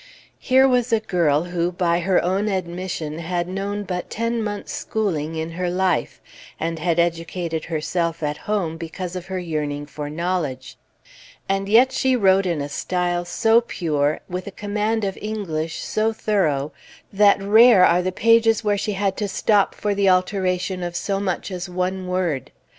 Here was a girl who, by her own admission, had known but ten months' schooling in her life, and had educated herself at home because of her yearning for knowledge; and yet she wrote in a style so pure, with a command of English so thorough, that rare are the pages where she had to stop for the alteration of so much as one word.